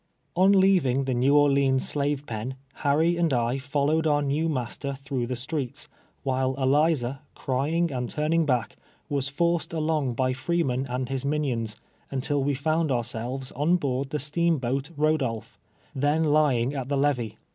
On leaving the iSTew Orleans slave pen, Ilariy and I followed our new master tlirongli the streets, while Ehza, crying and turning back, was forced along by Freeman and his minions, mitil we found ourselves on board the steamboat Rodolph, then lying at the levee.